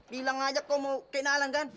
bilang aja kamu kenalan kan